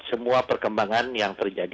semua perkembangan yang terjadi